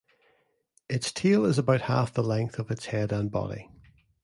Its tail is about half the length of its head and body.